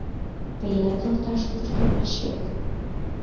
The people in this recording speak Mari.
Тыят, йолташ, тушто ыльыч вет?